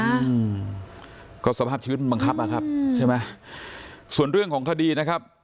อืมก็สภาพชีวิตบังคับอ่ะครับใช่ไหมส่วนเรื่องของคดีนะครับ